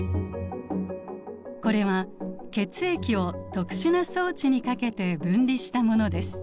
これは血液を特殊な装置にかけて分離したものです。